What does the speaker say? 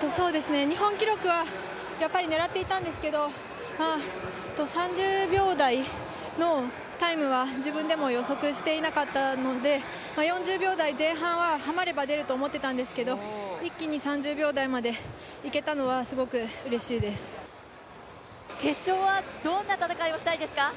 日本記録は狙っていたんですけど、３０秒台のタイムは自分でも予測してなかったので４０秒台前半はハマれば出ると思ってたんですけれども一気に３０秒台までいけたのは決勝はどんな戦いをしたいですか？